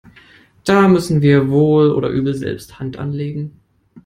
Da müssen wir wohl oder übel selbst Hand anlegen.